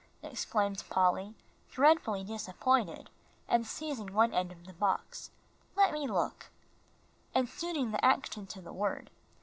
exclaimed Polly, dreadfully disappointed, and seizing one end of the box. "Let me look," and suiting the action to the word.